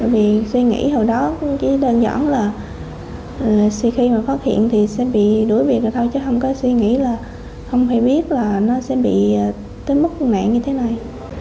vì suy nghĩ hồi đó chỉ đơn giản là suy khi mà phát hiện thì sẽ bị đuổi việc là thôi chứ không có suy nghĩ là không phải biết là nó sẽ bị tới mức nạn như thế này